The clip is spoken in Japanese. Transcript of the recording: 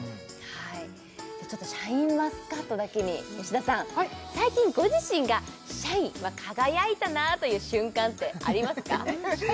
ちょっとシャインマスカットだけに吉田さんはい最近ご自身がシャイン輝いたなという瞬間ってありますか？